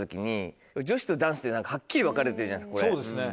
そうですね。